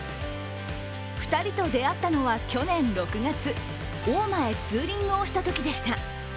２人と出会ったのは去年６月大間へツーリングをしたときでした。